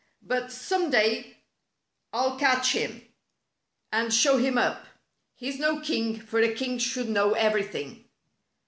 But some day I'll catch him, and show him up. He's no king, for a king should know everything."